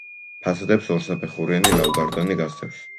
ფასადებს ორსაფეხურიანი ლავგარდანი გასდევს.